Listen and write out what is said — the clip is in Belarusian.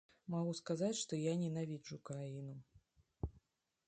Магу сказаць, што я не ненавіджу краіну.